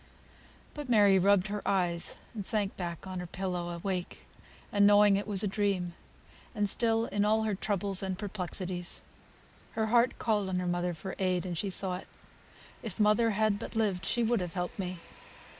But Mary rubbed her eyes and sank back on her pillow, awake, and knowing it was a dream; and still, in all her troubles and perplexities, her heart called on her mother for aid, and she thought, "If mother had but lived, she would have helped me."